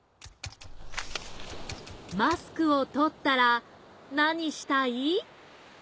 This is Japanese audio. マスクをとったらなにしたい？